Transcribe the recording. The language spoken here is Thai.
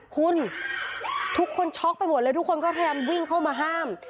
คุณทุกคนช็อกไปหมดเลยทุกคนก็พยายามวิ่งเข้ามาห้าม